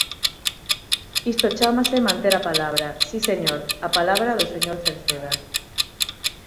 Isto chámase manter a palabra, si señor, a palabra do señor Cerceda.